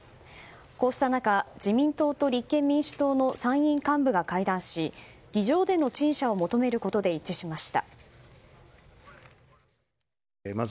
こうした中、自民党と立憲民主党の参院幹部が会談し議場での陳謝を求めることで一致しました。